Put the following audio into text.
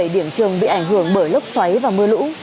năm mươi bảy điểm trường bị ảnh hưởng bởi lốc xoáy và mưa lũ